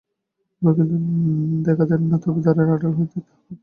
এবার কিন্তু দেখা দেন না, তবে দ্বারের আড়াল হইতে কথা কহেন।